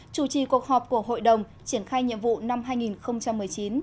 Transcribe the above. chủ trì cuộc họp của hội đồng triển khai nhiệm vụ năm hai nghìn một mươi chín